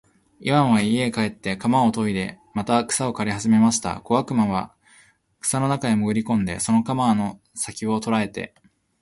イワンは家へ帰って鎌をといでまた草を刈りはじめました。小悪魔は草の中へもぐり込んで、その鎌の先きを捉えて、